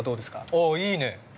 ◆ああ、いいね。